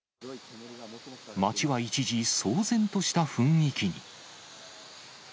町は一時、騒然とした雰囲気に。